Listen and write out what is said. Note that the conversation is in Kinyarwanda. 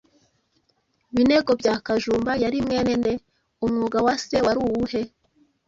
Binego bya Kajumba yari mwene nde? Umwuga wa se wari uwuhe?